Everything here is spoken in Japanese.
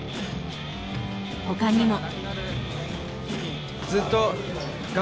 他にも。